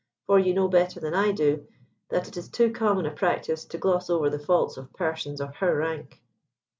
For you know better than I do, that it is too common a practice to gloss over the faults of persons of her rank."